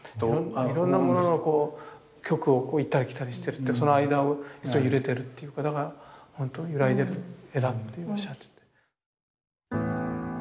いろんなもののこう極を行ったり来たりしてるってその間を揺れてるっていうかだからほんとゆらいでる絵だっておっしゃってて。